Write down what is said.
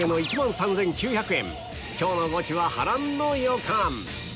今日のゴチは波乱の予感